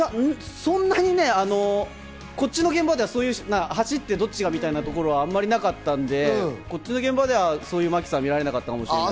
そんなにこっちの現場では走ってどっちがみたいなことは、あまりなかったので、こっちの現場ではそんな真木さんは見られなかったかもしれない。